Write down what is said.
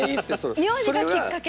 名字がきっかけで。